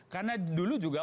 karena dulu juga